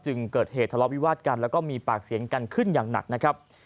เกิดเหตุทะเลาวิวาสกันแล้วก็มีปากเสียงกันขึ้นอย่างหนักนะครับ